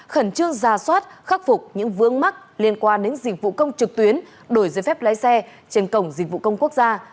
khẩn trương ra soát khắc phục những vương mắc liên quan đến dịch vụ công trực tuyến đổi giới phép lái xe trên cổng dịch vụ công quốc gia